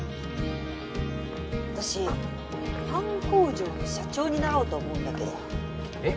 私パン工場の社長になろうと思うんだけどえっ？